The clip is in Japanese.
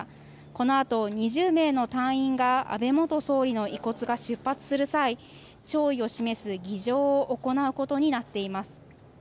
このあと２０名の隊員が安倍元総理の遺骨が出発する際弔意を示す儀仗を行うことになっています。